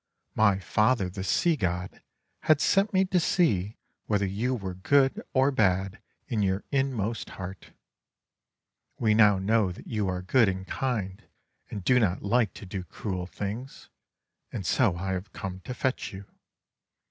My father, the Sea God, had sent me to see whether you were good or bad in your inmost heart. We now know that you are good and kind, and do not like to do cruel things; and so I have come to fetch you.